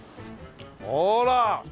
ほら！